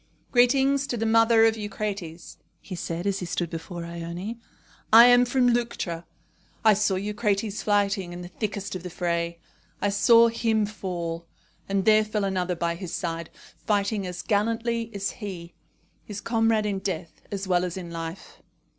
"Greetings to the mother of Eucrates," he said, as he stood before Ione. "I am from Leuctra. I saw Eucrates fighting in the thickest of the fray. I saw him fall; and there fell another by his side, fighting as gallantly as he his comrade in death as well as in life."